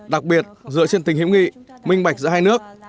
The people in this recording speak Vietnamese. đặc biệt dựa trên tình hữu nghị minh bạch giữa hai nước